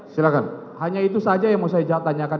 silahkan hanya itu saja yang mau saya tanyakan